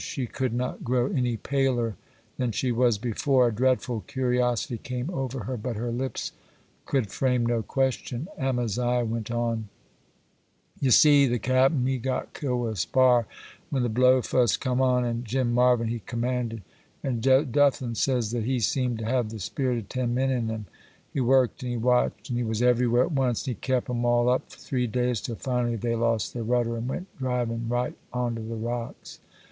She could not grow any paler than she was before; a dreadful curiosity came over her, but her lips could frame no question. Amaziah went on: 'Ye see, the cap'en he got killed with a spar when the blow fust come on, and Jim Marvyn he commanded; and Jeduthan says that he seemed to have the spirit of ten men in him. He worked, and he watched, and he was everywhere at once, and he kep' 'em all up for three days, till finally they lost their rudder, and went drivin' right onto the rocks.